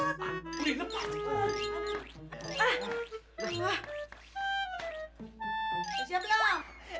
siap siap neng semuanya juga ikutin